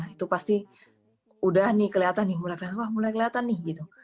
itu pasti udah nih kelihatan nih mulai wah mulai kelihatan nih gitu